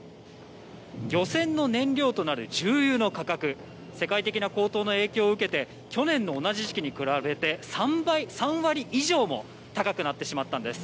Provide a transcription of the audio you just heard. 漁船の燃料となる重油の価格、世界的な高騰の影響を受けて、去年の同じ時期に比べて、３割以上も高くなってしまったんです。